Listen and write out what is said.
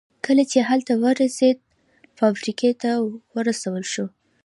کله چې هلته ورسېد فابریکې ته ورسول شو